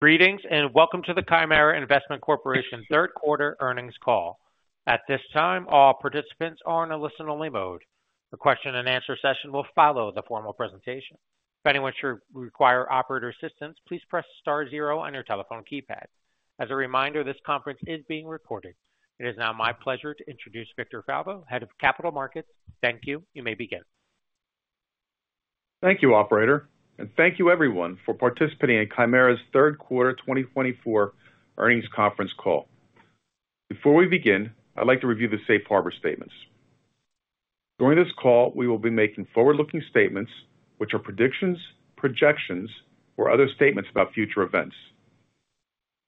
Greetings and welcome to the Chimera Investment Corporation third quarter earnings call. At this time, all participants are in a listen-only mode. The question-and-answer session will follow the formal presentation. If anyone should require operator assistance, please press star zero on your telephone keypad. As a reminder, this conference is being recorded. It is now my pleasure to introduce Victor Falvo, Head of Capital Markets. Thank you. You may begin. Thank you, operator, and thank you, everyone, for participating in Chimera's third quarter 2024 earnings conference call. Before we begin, I'd like to review the safe harbor statements. During this call, we will be making forward-looking statements, which are predictions, projections, or other statements about future events.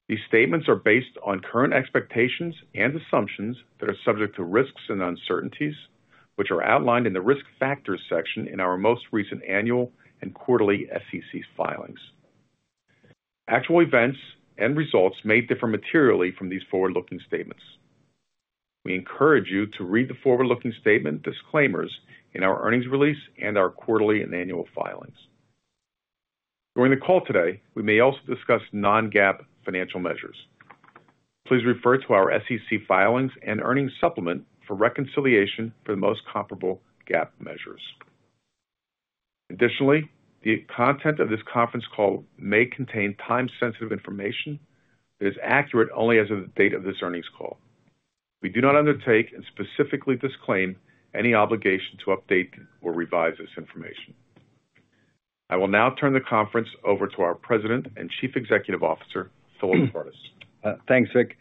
These statements are based on current expectations and assumptions that are subject to risks and uncertainties, which are outlined in the risk factors section in our most recent annual and quarterly SEC filings. Actual events and results may differ materially from these forward-looking statements. We encourage you to read the forward-looking statement disclaimers in our earnings release and our quarterly and annual filings. During the call today, we may also discuss non-GAAP financial measures. Please refer to our SEC filings and earnings supplement for reconciliation for the most comparable GAAP measures. Additionally, the content of this conference call may contain time-sensitive information that is accurate only as of the date of this earnings call. We do not undertake and specifically disclaim any obligation to update or revise this information. I will now turn the conference over to our President and Chief Executive Officer, Phillip Kardis. Thanks, Vic.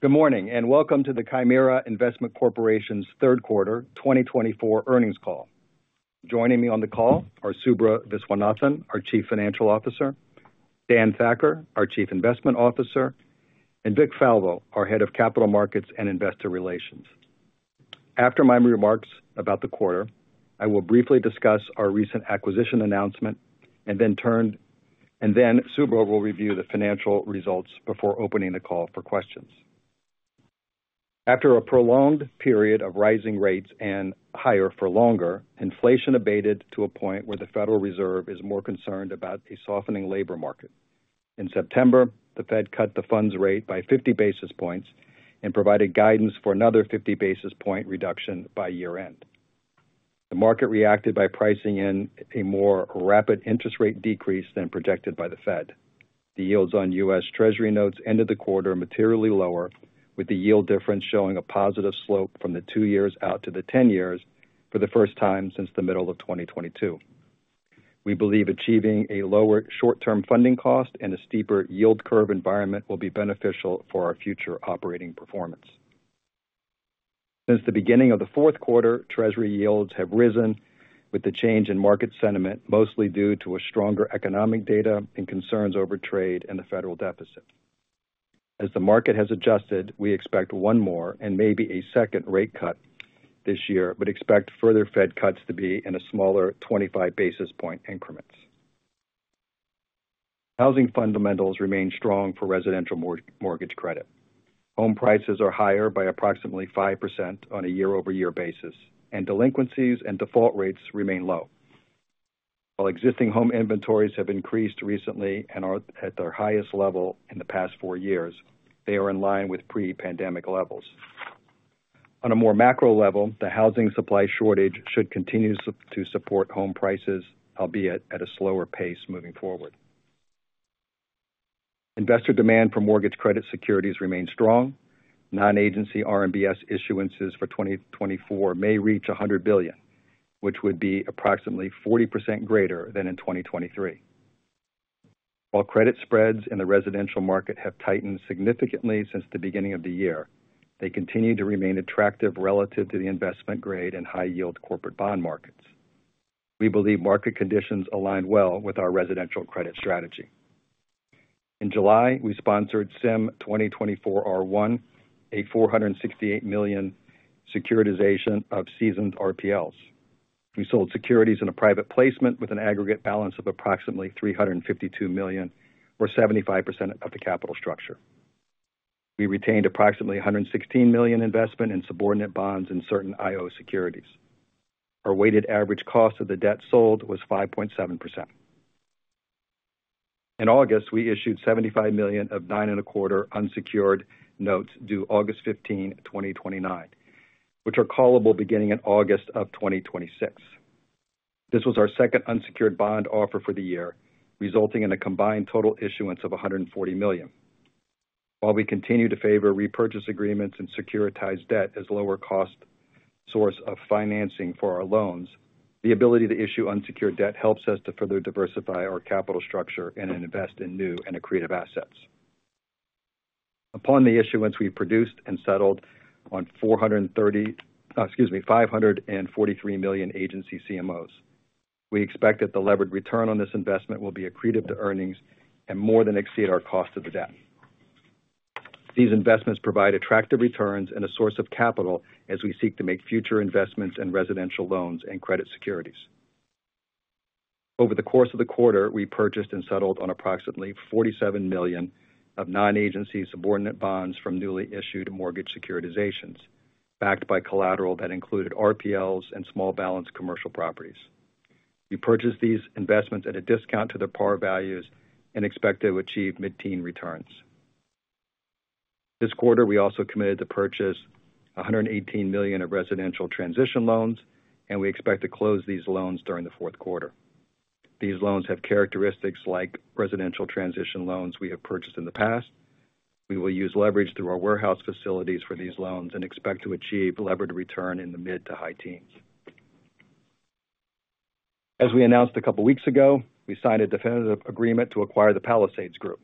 Good morning and welcome to the Chimera Investment Corporation's third quarter 2024 earnings call. Joining me on the call are Subra Viswanathan, our Chief Financial Officer, Dan Thakkar, our Chief Investment Officer, and Vic Falvo, our Head of Capital Markets and Investor Relations. After my remarks about the quarter, I will briefly discuss our recent acquisition announcement and then Subra will review the financial results before opening the call for questions. After a prolonged period of rising rates and higher for longer, inflation abated to a point where the Federal Reserve is more concerned about a softening labor market. In September, the Fed cut the funds rate by 50 basis points and provided guidance for another 50 basis point reduction by year-end. The market reacted by pricing in a more rapid interest rate decrease than projected by the Fed. The yields on U.S. Treasury notes ended the quarter materially lower, with the yield difference showing a positive slope from the two years out to the ten years for the first time since the middle of 2022. We believe achieving a lower short-term funding cost and a steeper yield curve environment will be beneficial for our future operating performance. Since the beginning of the fourth quarter, Treasury yields have risen with the change in market sentiment, mostly due to stronger economic data and concerns over trade and the federal deficit. As the market has adjusted, we expect one more and maybe a second rate cut this year, but expect further Fed cuts to be in a smaller 25 basis points increments. Housing fundamentals remain strong for residential mortgage credit. Home prices are higher by approximately 5% on a year-over-year basis, and delinquencies and default rates remain low. While existing home inventories have increased recently and are at their highest level in the past four years, they are in line with pre-pandemic levels. On a more macro level, the housing supply shortage should continue to support home prices, albeit at a slower pace moving forward. Investor demand for mortgage credit securities remains strong. Non-agency RMBS issuances for 2024 may reach $100 billion, which would be approximately 40% greater than in 2023. While credit spreads in the residential market have tightened significantly since the beginning of the year, they continue to remain attractive relative to the investment grade and high-yield corporate bond markets. We believe market conditions align well with our residential credit strategy. In July, we sponsored CIM 2024-R1, a $468 million securitization of seasoned RPLs. We sold securities in a private placement with an aggregate balance of approximately $352 million, or 75% of the capital structure. We retained approximately $116 million investment in subordinate bonds and certain IO securities. Our weighted average cost of the debt sold was 5.7%. In August, we issued $75 million of nine and a quarter unsecured notes due August 15, 2029, which are callable beginning in August of 2026. This was our second unsecured bond offer for the year, resulting in a combined total issuance of $140 million. While we continue to favor repurchase agreements and securitized debt as a lower cost source of financing for our loans, the ability to issue unsecured debt helps us to further diversify our capital structure and invest in new and accretive assets. Upon the issuance, we purchased and settled on $543 million agency CMOs. We expect that the levered return on this investment will be accretive to earnings and more than exceed our cost of the debt. These investments provide attractive returns and a source of capital as we seek to make future investments in residential loans and credit securities. Over the course of the quarter, we purchased and settled on approximately $47 million of non-agency subordinate bonds from newly issued mortgage securitizations, backed by collateral that included RPLs and small balance commercial properties. We purchased these investments at a discount to their par values and expect to achieve mid-teen returns. This quarter, we also committed to purchase $118 million of residential transition loans, and we expect to close these loans during the fourth quarter. These loans have characteristics like residential transition loans we have purchased in the past. We will use leverage through our warehouse facilities for these loans and expect to achieve levered return in the mid to high teens. As we announced a couple of weeks ago, we signed a definitive agreement to acquire the Palisades Group,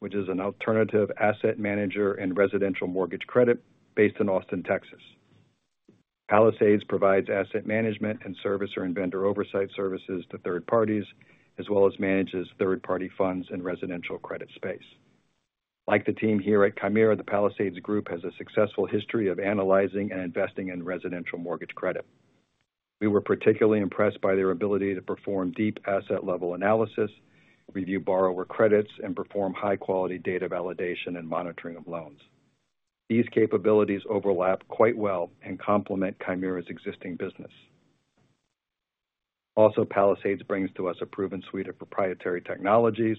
which is an alternative asset manager and residential mortgage credit based in Austin, Texas. Palisades provides asset management and servicer vendor oversight services to third parties, as well as manages third-party funds and residential credit space. Like the team here at Chimera, the Palisades Group has a successful history of analyzing and investing in residential mortgage credit. We were particularly impressed by their ability to perform deep asset-level analysis, review borrower credits, and perform high-quality data validation and monitoring of loans. These capabilities overlap quite well and complement Chimera's existing business. Also, Palisades brings to us a proven suite of proprietary technologies,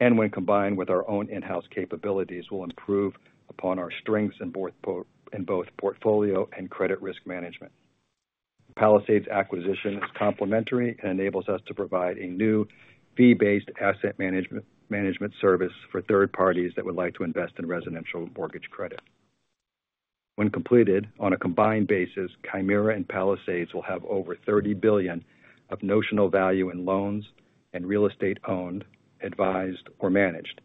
and when combined with our own in-house capabilities, will improve upon our strengths in both portfolio and credit risk management. Palisades' acquisition is complementary and enables us to provide a new fee-based asset management service for third parties that would like to invest in residential mortgage credit. When completed on a combined basis, Chimera and Palisades will have over $30 billion of notional value in loans and real estate owned, advised, or managed.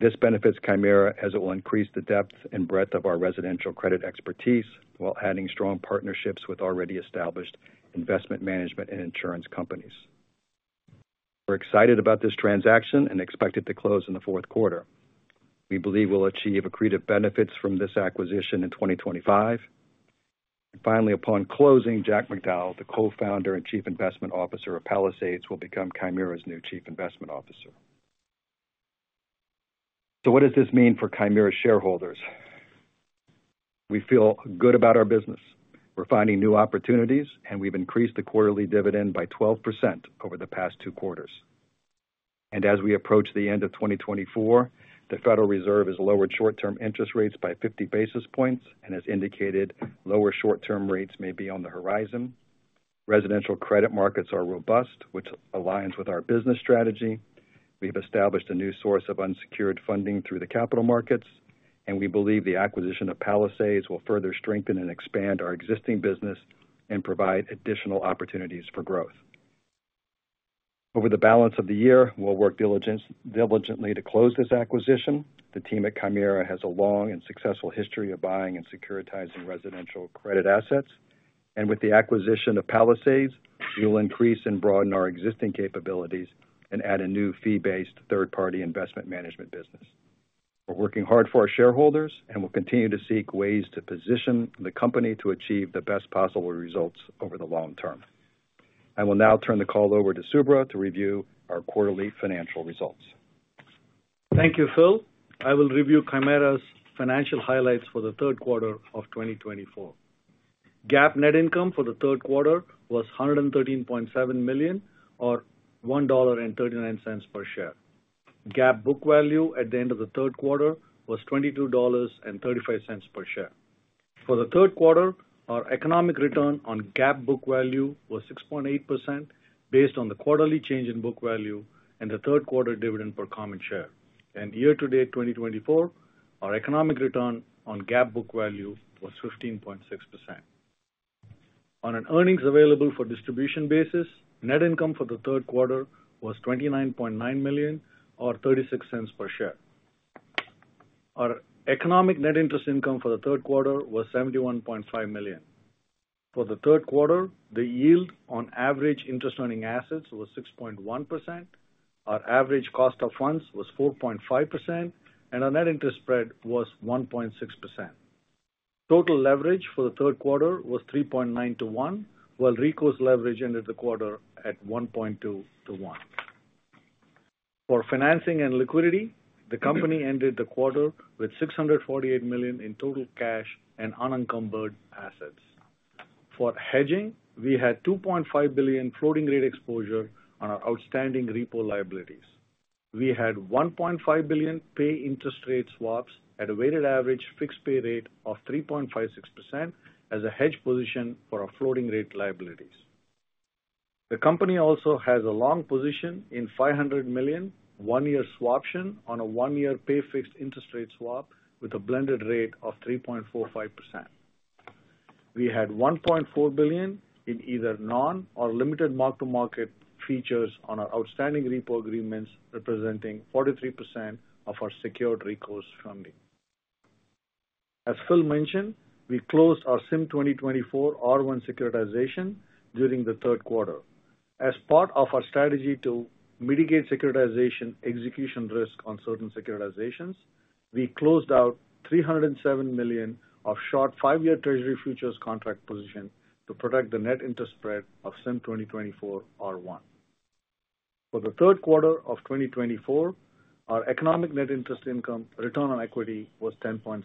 This benefits Chimera as it will increase the depth and breadth of our residential credit expertise while adding strong partnerships with already established investment management and insurance companies. We're excited about this transaction and expect it to close in the fourth quarter. We believe we'll achieve accretive benefits from this acquisition in 2025. Finally, upon closing, Jack McDowell, the co-founder and chief investment officer of Palisades, will become Chimera's new chief investment officer. So what does this mean for Chimera shareholders? We feel good about our business. We're finding new opportunities, and we've increased the quarterly dividend by 12% over the past two quarters, and as we approach the end of 2024, the Federal Reserve has lowered short-term interest rates by 50 basis points and has indicated lower short-term rates may be on the horizon. Residential credit markets are robust, which aligns with our business strategy. We've established a new source of unsecured funding through the capital markets, and we believe the acquisition of Palisades will further strengthen and expand our existing business and provide additional opportunities for growth. Over the balance of the year, we'll work diligently to close this acquisition. The team at Chimera has a long and successful history of buying and securitizing residential credit assets, and with the acquisition of Palisades, we will increase and broaden our existing capabilities and add a new fee-based third-party investment management business. We're working hard for our shareholders, and we'll continue to seek ways to position the company to achieve the best possible results over the long term. I will now turn the call over to Subra to review our quarterly financial results. Thank you, Phil. I will review Chimera's financial highlights for the third quarter of 2024. GAAP net income for the third quarter was $113.7 million, or $1.39 per share. GAAP book value at the end of the third quarter was $22.35 per share. For the third quarter, our economic return on GAAP book value was 6.8% based on the quarterly change in book value and the third quarter dividend per common share. Year-to-date 2024, our economic return on GAAP book value was 15.6%. On an earnings available for distribution basis, net income for the third quarter was $29.9 million, or $0.36 per share. Our economic net interest income for the third quarter was $71.5 million. For the third quarter, the yield on average interest-earning assets was 6.1%. Our average cost of funds was 4.5%, and our net interest spread was 1.6%. Total leverage for the third quarter was 3.9 to 1, while recourse leverage ended the quarter at 1.2 to 1. For financing and liquidity, the company ended the quarter with $648 million in total cash and unencumbered assets. For hedging, we had $2.5 billion floating rate exposure on our outstanding repo liabilities. We had $1.5 billion pay interest rate swaps at a weighted average fixed pay rate of 3.56% as a hedge position for our floating rate liabilities. The company also has a long position in $500 million one-year swaption on a one-year pay fixed interest rate swap with a blended rate of 3.45%. We had $1.4 billion in either non- or limited mark-to-market features on our outstanding repo agreements, representing 43% of our secured recourse funding. As Phil mentioned, we closed our CIM 2024-R1 securitization during the third quarter. As part of our strategy to mitigate securitization execution risk on certain securitizations, we closed out $307 million of short five-year Treasury futures contract position to protect the net interest spread of CIM 2024-R1. For the third quarter of 2024, our economic net interest income return on equity was 10.6%.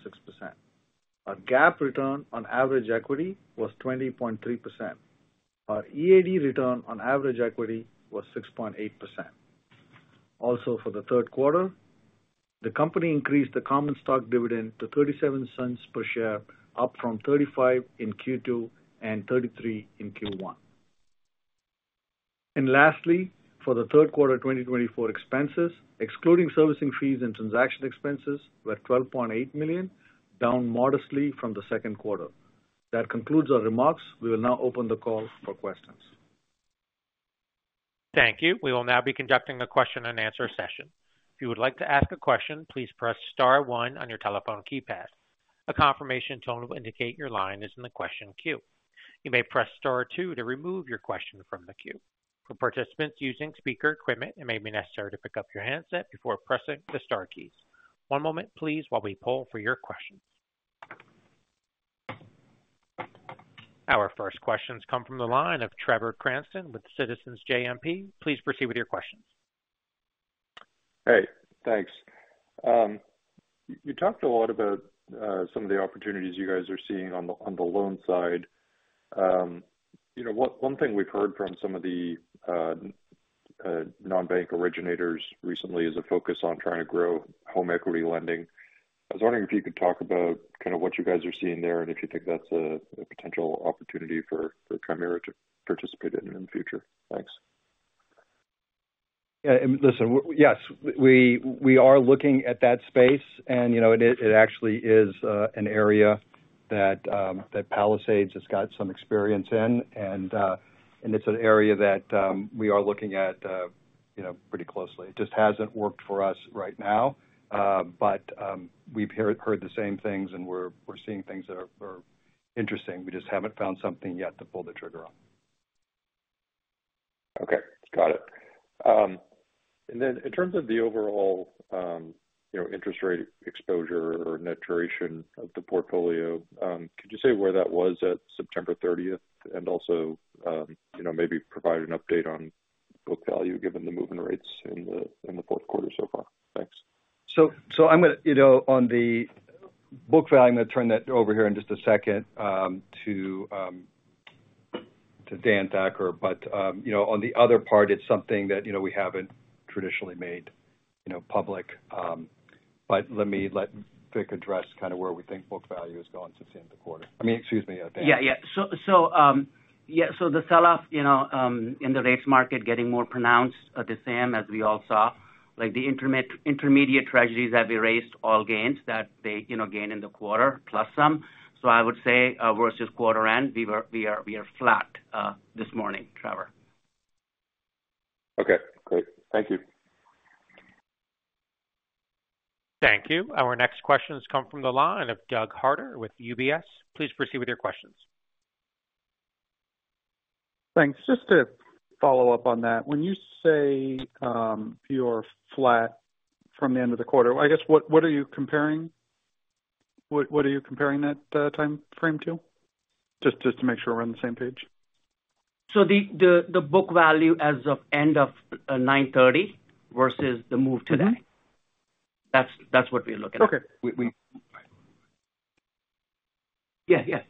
Our GAAP return on average equity was 20.3%. Our EAD return on average equity was 6.8%. Also, for the third quarter, the company increased the common stock dividend to $0.37 per share, up from $0.35 in Q2 and $0.33 in Q1. And lastly, for the third quarter 2024 expenses, excluding servicing fees and transaction expenses, we're $12.8 million, down modestly from the second quarter. That concludes our remarks. We will now open the call for questions. Thank you. We will now be conducting a question-and-answer session. If you would like to ask a question, please press Star 1 on your telephone keypad. A confirmation tone will indicate your line is in the question queue. You may press Star 2 to remove your question from the queue. For participants using speaker equipment, it may be necessary to pick up your handset before pressing the Star keys. One moment, please, while we pull for your questions. Our first questions come from the line of Trevor Cranston with Citizens JMP. Please proceed with your questions. Hey, thanks. You talked a lot about some of the opportunities you guys are seeing on the loan side. One thing we've heard from some of the non-bank originators recently is a focus on trying to grow home equity lending. I was wondering if you could talk about kind of what you guys are seeing there and if you think that's a potential opportunity for Chimera to participate in in the future. Thanks. Yeah, listen, yes, we are looking at that space, and it actually is an area that Palisades has got some experience in, and it's an area that we are looking at pretty closely. It just hasn't worked for us right now, but we've heard the same things and we're seeing things that are interesting. We just haven't found something yet to pull the trigger on. Okay, got it. And then in terms of the overall interest rate exposure or maturation of the portfolio, could you say where that was at September 30th and also maybe provide an update on book value given the moving rates in the fourth quarter so far? Thanks. So on the book value, I'm going to turn that over here in just a second to Dan Thakkar, but on the other part, it's something that we haven't traditionally made public, but let me let Vic address kind of where we think book value has gone since the end of the quarter. I mean, excuse me, Dan. So, the selloff in the rates market getting more pronounced, same as we all saw, like the intermediate Treasuries that erased all gains that they gain in the quarter plus some. So, I would say versus quarter end, we are flat this morning, Trevor. Okay, great. Thank you. Thank you. Our next questions come from the line of Doug Harter with UBS. Please proceed with your questions. Thanks. Just to follow up on that, when you say you're flat from the end of the quarter, I guess what are you comparing? What are you comparing that timeframe to? Just to make sure we're on the same page. So the book value as of end of 9/30 versus the move today. That's what we're looking at. Okay. Yeah, yeah.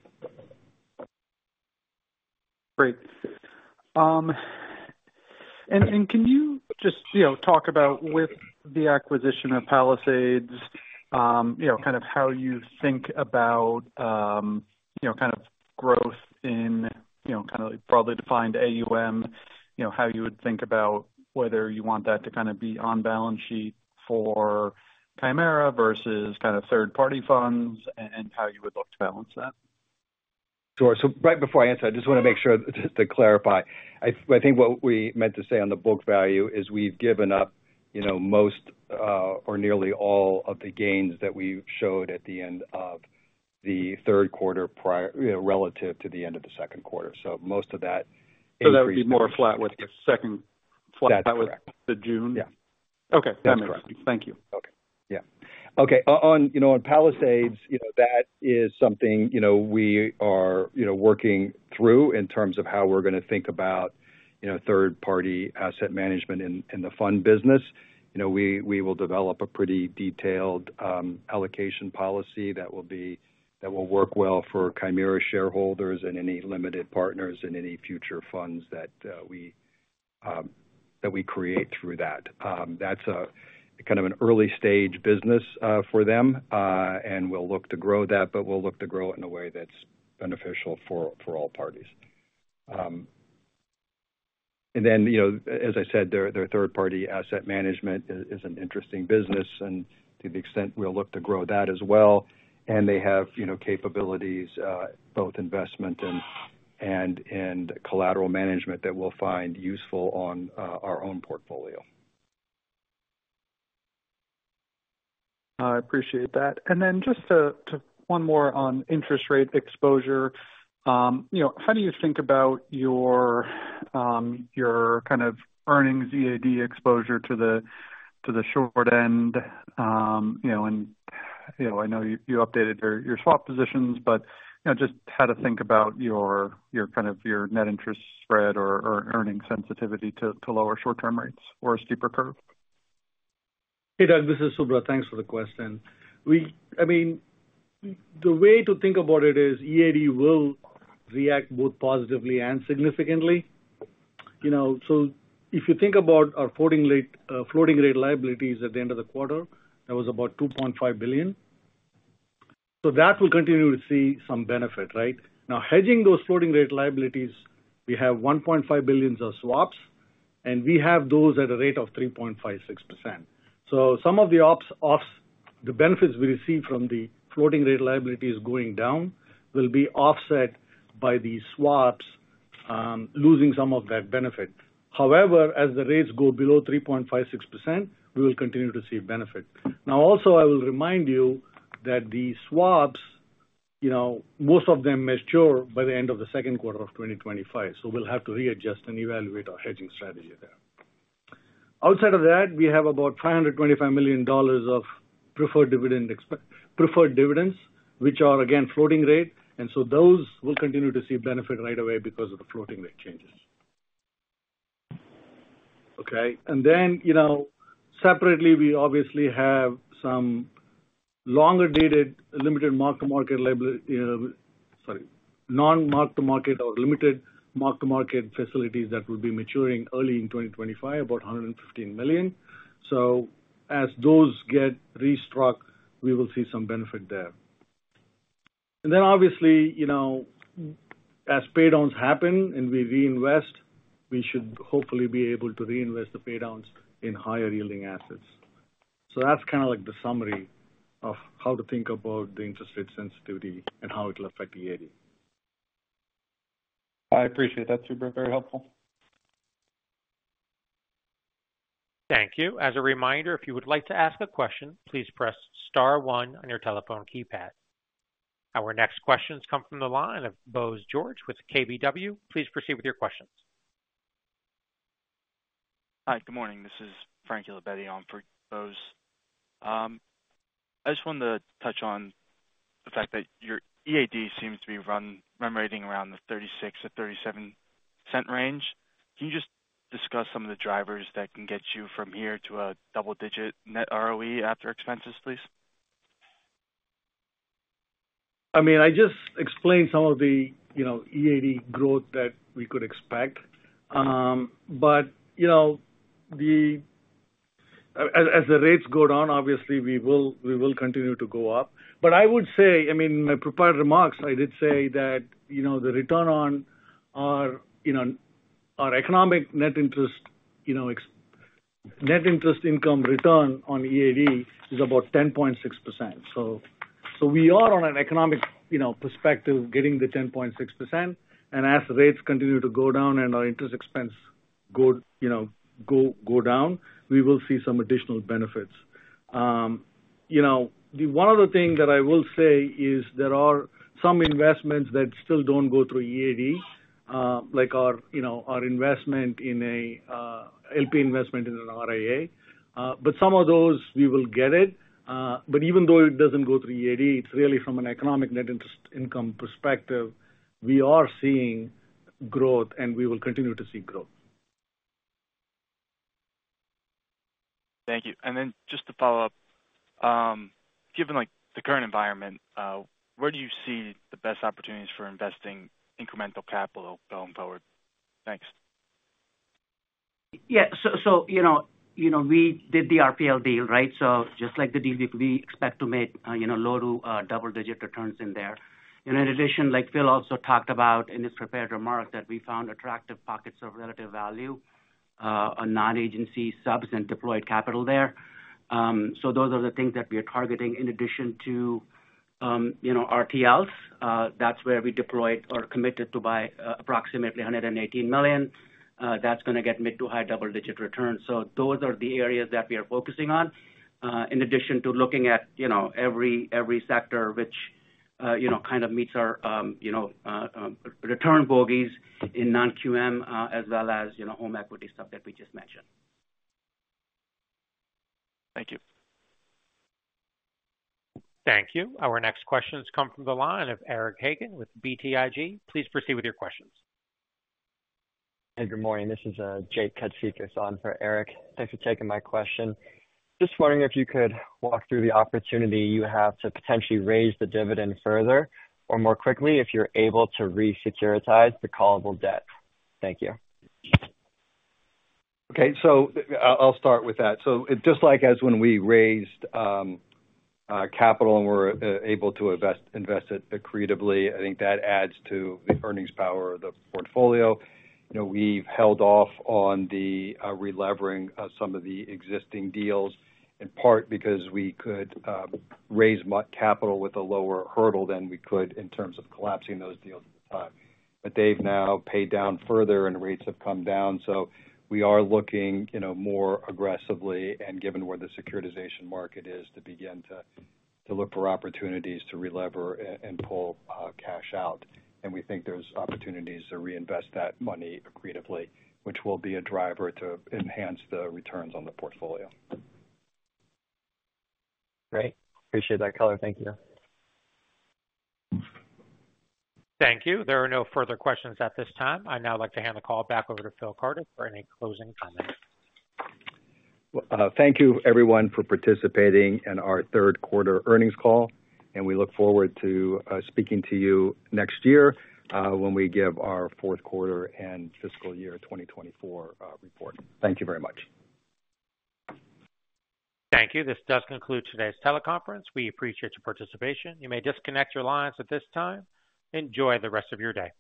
Great. And can you just talk about with the acquisition of Palisades, kind of how you think about kind of growth in kind of broadly defined AUM, how you would think about whether you want that to kind of be on balance sheet for Chimera versus kind of third-party funds and how you would look to balance that? Sure. So right before I answer, I just want to make sure to clarify. I think what we meant to say on the book value is we've given up most or nearly all of the gains that we showed at the end of the third quarter relative to the end of the second quarter. So most of that increased. So that would be more flat with the second half that was in June? Yeah. Okay. That makes sense. Thank you. Okay. Yeah. Okay. On Palisades, that is something we are working through in terms of how we're going to think about third-party asset management in the fund business. We will develop a pretty detailed allocation policy that will work well for Chimera shareholders and any limited partners and any future funds that we create through that. That's kind of an early stage business for them, and we'll look to grow that, but we'll look to grow it in a way that's beneficial for all parties. And then, as I said, their third-party asset management is an interesting business, and to the extent we'll look to grow that as well. And they have capabilities, both investment and collateral management, that we'll find useful on our own portfolio. I appreciate that. And then just one more on interest rate exposure. How do you think about your kind of earnings EAD exposure to the short end? And I know you updated your swap positions, but just how to think about kind of your net interest spread or earning sensitivity to lower short-term rates or a steeper curve? Hey, Doug, this is Subra. Thanks for the question. I mean, the way to think about it is EAD will react both positively and significantly. So if you think about our floating rate liabilities at the end of the quarter, that was about $2.5 billion. So that will continue to see some benefit, right? Now, hedging those floating rate liabilities, we have $1.5 billion of swaps, and we have those at a rate of 3.56%. So some of the benefits we receive from the floating rate liabilities going down will be offset by the swaps losing some of that benefit. However, as the rates go below 3.56%, we will continue to see benefit. Now, also, I will remind you that the swaps, most of them mature by the end of the second quarter of 2025, so we'll have to readjust and evaluate our hedging strategy there. Outside of that, we have about $525 million of preferred dividends, which are, again, floating rate. And so those will continue to see benefit right away because of the floating rate changes. Okay. And then separately, we obviously have some longer-dated limited mark-to-market, sorry, non-mark-to-market or limited mark-to-market facilities that will be maturing early in 2025, about $115 million. So as those get restructured, we will see some benefit there. And then, obviously, as paydowns happen and we reinvest, we should hopefully be able to reinvest the paydowns in higher-yielding assets. So that's kind of like the summary of how to think about the interest rate sensitivity and how it will affect EAD. I appreciate that. Subra, very helpful. Thank you. As a reminder, if you would like to ask a question, please press Star 1 on your telephone keypad. Our next questions come from the line of Bose George with KBW. Please proceed with your questions. Hi, good morning. This is Frankie Labetti on for Bose. I just wanted to touch on the fact that your EAD seems to be running around the $0.36-$0.37 range. Can you just discuss some of the drivers that can get you from here to a double-digit net ROE after expenses, please? I mean, I just explained some of the EAD growth that we could expect, but as the rates go down, obviously, we will continue to go up. But I would say, I mean, in my prepared remarks, I did say that the return on our economic net interest income return on EAD is about 10.6%. So we are on an economic perspective getting the 10.6%. And as rates continue to go down and our interest expense go down, we will see some additional benefits. One other thing that I will say is there are some investments that still don't go through EAD, like our investment in a LP investment in an RIA. But some of those, we will get it. But even though it doesn't go through EAD, it's really from an economic net interest income perspective, we are seeing growth, and we will continue to see growth. Thank you and then just to follow up, given the current environment, where do you see the best opportunities for investing incremental capital going forward? Thanks. Yeah. So we did the RPL deal, right? So just like the deal, we expect to make low to double-digit returns in there. In addition, like Phil also talked about in his prepared remarks, that we found attractive pockets of relative value, a non-agency subs and deployed capital there. So those are the things that we are targeting in addition to RTLs. That's where we deployed or committed to buy approximately $118 million. That's going to get mid to high double-digit returns. So those are the areas that we are focusing on, in addition to looking at every sector which kind of meets our return bogeys in non-QM, as well as home equity stuff that we just mentioned. Thank you. Thank you. Our next questions come from the line of Eric Hagen with BTIG. Please proceed with your questions. Good morning. This is Jake Katsikas on for Eric. Thanks for taking my question. Just wondering if you could walk through the opportunity you have to potentially raise the dividend further or more quickly if you're able to resecuritize the callable debt. Thank you. Okay. So I'll start with that. So just like as when we raised capital and were able to invest it accretively, I think that adds to the earnings power of the portfolio. We've held off on the re-levering of some of the existing deals, in part because we could raise capital with a lower hurdle than we could in terms of collapsing those deals at the time. But they've now paid down further, and rates have come down. So we are looking more aggressively, and given where the securitization market is, to begin to look for opportunities to re-lever and pull cash out. And we think there's opportunities to reinvest that money accretively, which will be a driver to enhance the returns on the portfolio. Great. Appreciate that, color. Thank you. Thank you. There are no further questions at this time. I'd now like to hand the call back over to Phil Kardis for any closing comments. Thank you, everyone, for participating in our third quarter earnings call. We look forward to speaking to you next year when we give our fourth quarter and fiscal year 2024 report. Thank you very much. Thank you. This does conclude today's teleconference. We appreciate your participation. You may disconnect your lines at this time. Enjoy the rest of your day.